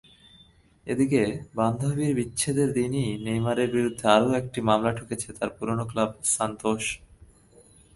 এদিকে, বান্ধবী-বিচ্ছেদের দিনই নেইমারের বিরুদ্ধে আরও একটি মামলা ঠুকেছে তাঁর পুরোনো ক্লাব সান্তোস।